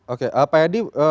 oke pak edi